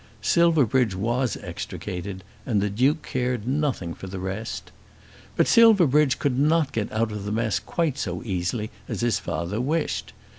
Silverbridge was extricated, and the Duke cared nothing for the rest. But Silverbridge could not get out of the mess quite so easily as his father wished.